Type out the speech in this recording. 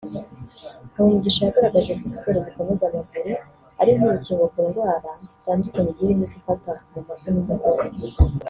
Habumugisha yagaragaje ko siporo zikomeza amaguru ari nk’urukingo ku ndwara zitandukanye zirimo izifata mu mavi n’umugongo